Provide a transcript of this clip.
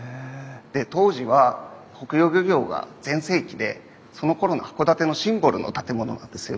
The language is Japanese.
で当時は北洋漁業が全盛期でそのころの函館のシンボルの建物なんですよね。